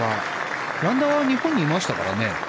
ランダワは日本にいましたからね。